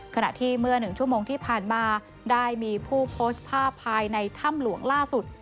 ขณะที่เมื่อ๑ชั่วโมงที่ผ่านมาได้มีผู้โพสต์ภาพภายในถ้ำหลวงล่าสุด